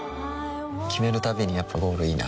決めるたびにやっぱゴールいいなってふん